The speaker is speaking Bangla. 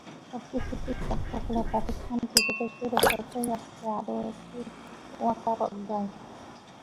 সবকিছু ঠিকঠাক থাকলে পাকিস্তান ক্রিকেটে শুরু হতে যাচ্ছে আরও একটি ওয়াকার-অধ্যায়।